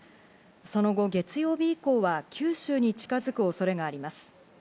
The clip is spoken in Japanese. その後、月曜日以降は九州に近づく恐れがあります。